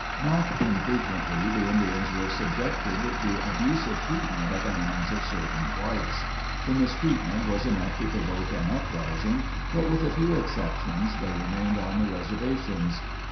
Not infrequently the Indians were subjected to abusive treatment at the hands of certain whites. The mistreatment was enough to provoke an uprising, but with a few exceptions they remained on the reservations.